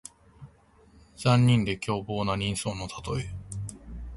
残忍で凶暴な人相のたとえ。